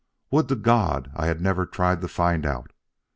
Would to God I had never tried to find out!